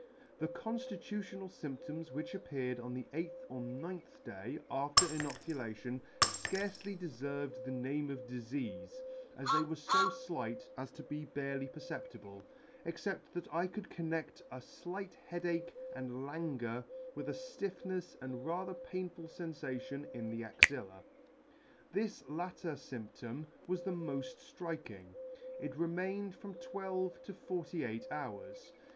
The constitutional fymptoms which appeared on the eighth or ninth day after inoculation fcarcely deferved the name of difeafe, as they were fo flight as to be barely per ceptible, except that I could conned: a flight head ache and languor with a ftiffnefs' and rather painful fenfation in the axilla. This latter fymptom was the molt Striking; it re mained from twelve to forty eight hours.